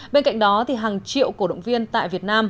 bên cạnh đó hàng triệu cổ động viên tại việt nam